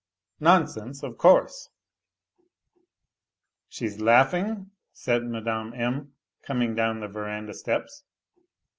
Nonsense, < course ?"" She's laughing," said Mme. M., coming down the veranda steps.